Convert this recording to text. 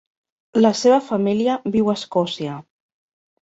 La seva família viu a Escòcia.